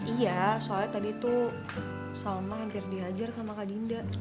iya soalnya tadi tuh salma hampir dihajar sama kak dinda